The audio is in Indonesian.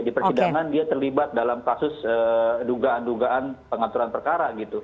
di persidangan dia terlibat dalam kasus dugaan dugaan pengaturan perkara gitu